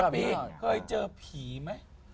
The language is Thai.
ปีเคยเจอผีไหม